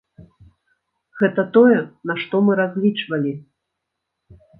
Гэта тое, на што мы разлічвалі.